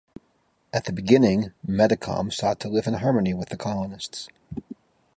At the beginning Metacom sought to live in harmony with the colonists.